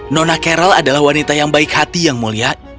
nona carol adalah wanita yang baik hati yang mulia